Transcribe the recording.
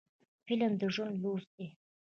فلم د ژوند لوست دی